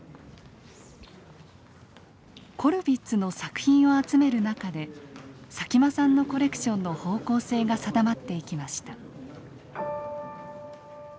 コルヴィッツの作品を集める中で佐喜眞さんのコレクションの方向性が定まっていきました。